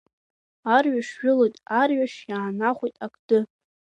Арҩаш жәылоит, арҩаш иаанахәеит ақды.